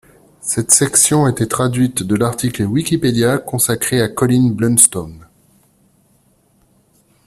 Cette section a été traduite de l'article Wikipedia consacré à Colin Blunstone.